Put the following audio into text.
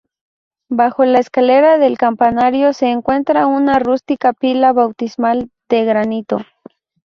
Bajo la escalera del campanario se encuentra una rústica pila bautismal de granito.